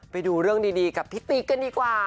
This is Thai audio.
ไปดูเรื่องดีกับพี่ติ๊กกันดีกว่า